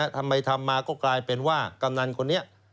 ทำไมทำมาก็กลายเป็นว่ากำนันคนเนี่ย